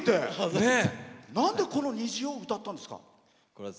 なんで、この「虹」を歌ったんですか？